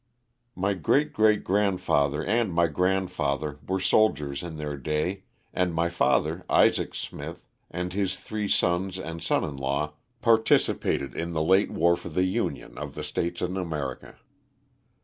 My great great grandfather and my grandfather were soldiers in their day, and my father, Isaac Smith, with his three sons and son in law participated in the late war for the union of the States in America.